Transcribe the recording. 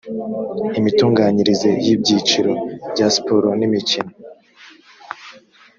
imitunganyirize y ibyiciro bya siporo n imikino